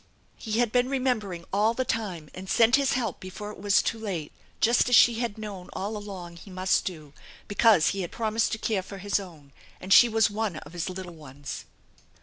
He had been remembering all the time and sent His help before it was too late; just as she had known all along He must do, because He had promised to care for His own, and she was one of His little ones.